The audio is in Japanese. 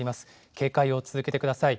警戒を続けてください。